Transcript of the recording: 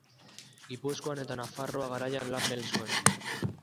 Gipuzkoan eta Nafarroa Garaian lan egin zuen.